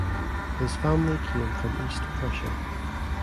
His family came from East Prussia.